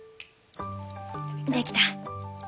できた。